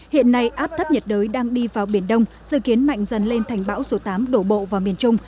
hiện nay áp thấp nhiệt đới đang đi vào biển đông dự kiến mạnh dần lên thành bão số tám đổ bộ vào miền trung